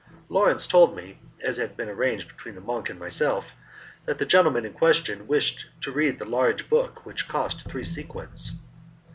Lawrence told me (as had been arranged between the monk and myself) that the gentleman in question wished to read the large book which cost three sequins.